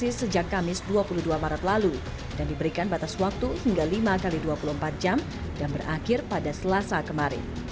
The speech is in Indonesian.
di sejak kamis dua puluh dua maret lalu dan diberikan batas waktu hingga lima x dua puluh empat jam dan berakhir pada selasa kemarin